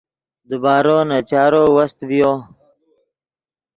دیبارو نے چارو وست ڤیو